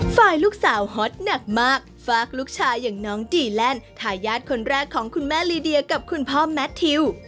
ฝ่ายลูกสาวฮอตหนักมากฝากลูกชายอย่างน้องดีแลนด์ทายาทคนแรกของคุณแม่ลีเดียกับคุณพ่อแมททิว